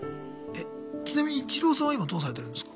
ちなみにイチローさんは今どうされてるんですか？